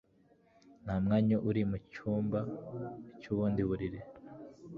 Nta mwanya uri mucyumba cyubundi buriri